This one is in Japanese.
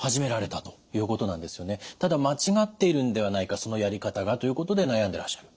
ただ間違っているんではないかそのやり方がということで悩んでらっしゃる。